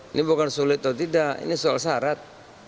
ini bukan sulit atau tidak ini soal syarat